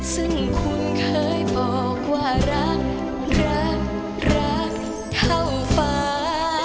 ซึ่งคุณเคยบอกว่ารักรักรักรักเท่าฟ้า